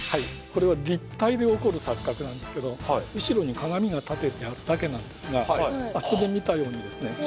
これは立体で起こる錯覚なんですけど後ろに鏡が立ててあるだけなんですがあそこで見たようにですね